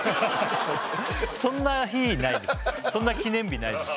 そんな記念日ないです